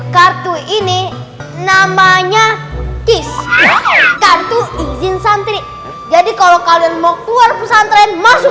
kartu ini namanya kis kartu izin santri jadi kalau kalian mau keluar pesantren masuk